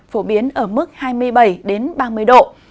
phổ biến ở mức hai mươi bảy ba mươi độ